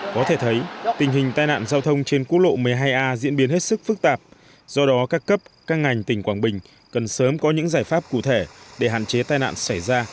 có thể thấy tình hình tai nạn giao thông trên quốc lộ một mươi hai a diễn biến hết sức phức tạp do đó các cấp các ngành tỉnh quảng bình cần sớm có những giải pháp cụ thể để hạn chế tai nạn xảy ra